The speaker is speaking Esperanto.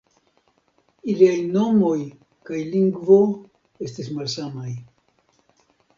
Iliaj nomoj kaj lingvo estis malsamaj.